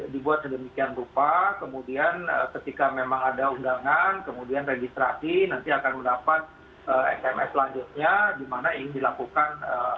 dimana ingin dilakukan